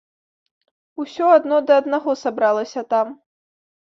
Усё адно да аднаго сабралася там.